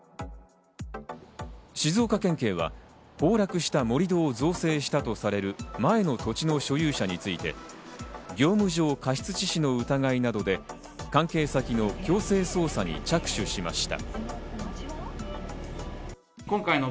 静岡県警は崩落した盛り土を造成したとされる前の土地の所有者について業務上過失致死の疑いなどで関係先の強制捜査に着手しました。